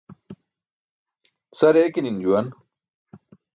Sare eki̇ni̇ṅ juwan.